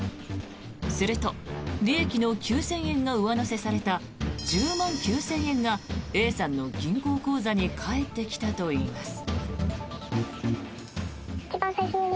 すると、利益の９０００円が上乗せされた１０万９０００円がＡさんの銀行口座に返ってきたといいます。